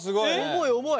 重い重い。